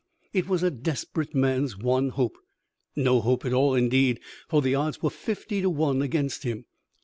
It was a desperate man's one hope no hope at all, indeed, for the odds were fifty to one against him.